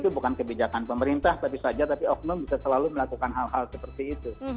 itu bukan kebijakan pemerintah tapi saja tapi oknum bisa selalu melakukan hal hal seperti itu